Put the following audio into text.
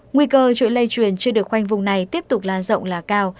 nguy cơ chuỗi lây truyền chưa được khoanh vùng này tiếp tục lan rộng là cao